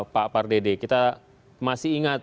pak pardede kita masih ingat